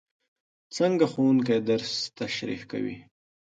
څنګه ښوونکی درس تشریح کوي؟